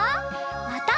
また。